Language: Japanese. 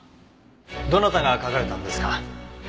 どなたが書かれたんですか？